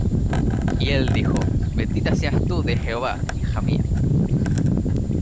Y él dijo: Bendita seas tú de Jehová, hija mía